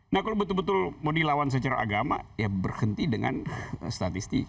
nah kalau betul betul mau dilawan secara agama ya berhenti dengan statistik